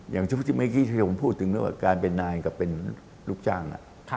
อย่างที่เมื่อกี้ที่ผมพูดถึงเรื่องการเป็นนายกับเป็นลูกจ้าง